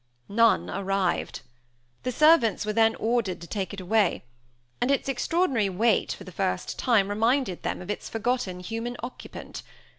None arrived. The servants were then ordered to take it away; and its extraordinary weight, for the first time, reminded them of its forgotten human occupant.